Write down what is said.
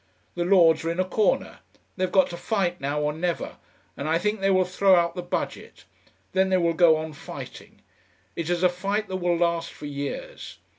The Lords are in a corner; they've got to fight now or never, and I think they will throw out the Budget. Then they will go on fighting. It is a fight that will last for years.